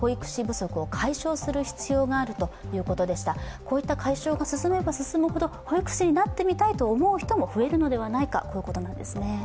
こういった解消が進めば進むほど保育士になってみたいという人も増えるのではないかということなんですね。